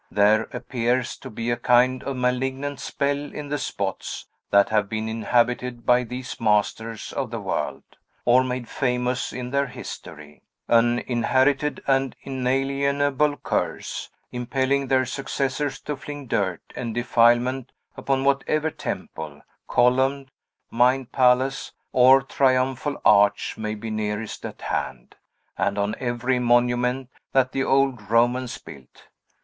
There appears to be a kind of malignant spell in the spots that have been inhabited by these masters of the world, or made famous in their history; an inherited and inalienable curse, impelling their successors to fling dirt and defilement upon whatever temple, column, mined palace, or triumphal arch may be nearest at hand, and on every monument that the old Romans built.